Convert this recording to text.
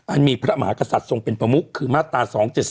มีพระมหากษัตริย์ทรงเป็นประมุกคือมาตรา๒๗๒